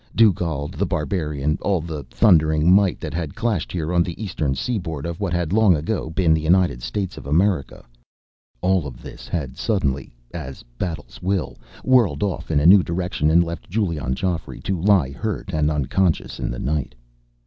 Dugald, The Barbarian; all the thundering might that had clashed here on the eastern seaboard of what had, long ago, been The United States of America all of this had suddenly, as battles will, whirled off in a new direction and left Giulion Geoffrey to lie hurt and unconscious in the night.